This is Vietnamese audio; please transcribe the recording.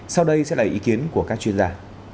sau đây sẽ là ý kiến của các chuyên gia